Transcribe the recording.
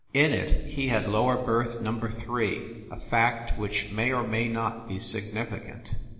In it he had lower berth number three a fact which may or may not be significant.